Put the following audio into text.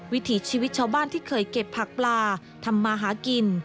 วิถีชีวิตชาวบ้านที่เคยเก็บผักปลาทำมาหากิน